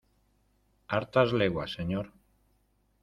¡ hartas leguas, señor!